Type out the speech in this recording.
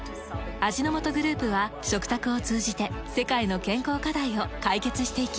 味の素グループは食卓を通じて世界の健康課題を解決していきます。